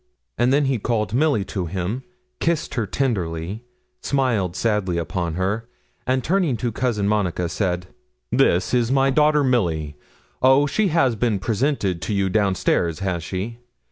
And then he called Milly to him, kissed her tenderly, smiled sadly upon her, and turning to Cousin Monica, said 'This is my daughter Milly oh! she has been presented to you down stairs, has she?